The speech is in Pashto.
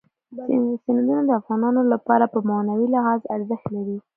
سیندونه د افغانانو لپاره په معنوي لحاظ ارزښت لري.